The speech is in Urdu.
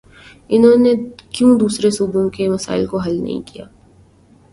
انہوں نے کیوں دوسرے صوبوں کے مسائل کو حل نہیں کیا؟